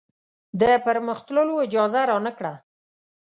د پر مخ تللو اجازه رانه کړه.